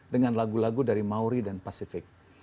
dengan lagu lagu dari maury dan pacific